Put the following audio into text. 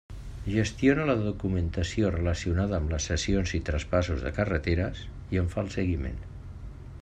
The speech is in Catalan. Gestiona la documentació relacionada amb les cessions i traspassos de carreteres i en fa el seguiment.